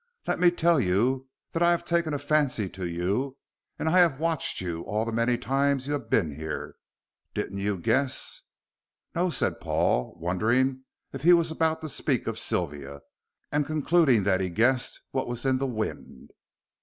"Let me tell you that I have taken a fancy to you, and I have watched you all the many times you have been here. Didn't you guess?" "No," said Paul, wondering if he was about to speak of Sylvia, and concluding that he guessed what was in the wind.